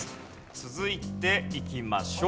続いていきましょう。